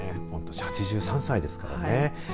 ８３歳ですからね。